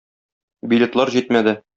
Билетлар җитмәде.